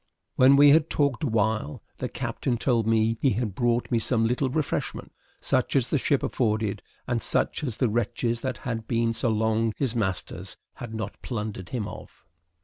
When we had talked a while, the captain told me he had brought me some little refreshment, such as the ship afforded, and such as the wretches that had been so long his masters had not plundered him of.